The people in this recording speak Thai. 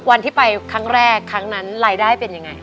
วันที่ไปครั้งแรกครั้งนั้นรายได้เป็นยังไง